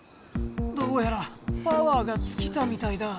どうやらパワーがつきたみたいだ。